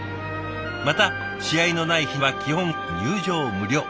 また試合のない日は基本入場無料。